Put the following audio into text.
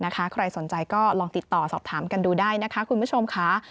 ใครสนใจก็ลองติดต่อสอบถามกันดูได้นะคะคุณผู้ชมค่ะ